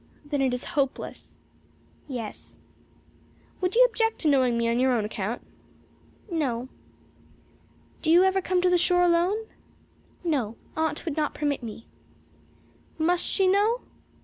"Then it is hopeless." "Yes." "Would you object to knowing me on your own account?" "No." "Do you ever come to the shore alone?" "No. Aunt would not permit me." "Must she know?"